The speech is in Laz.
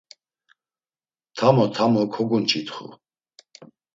Tamo tamo kogunç̌itxu.